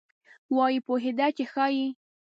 وایي پوهېده چې ښایي.